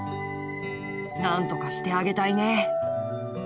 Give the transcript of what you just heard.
なんとかしてあげたいね。